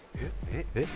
えっ？